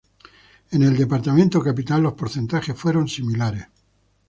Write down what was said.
En el departamento capital los porcentajes fueron similares.